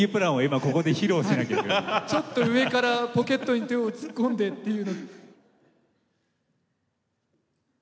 ちょっと上からポケットに手を突っ込んでっていう。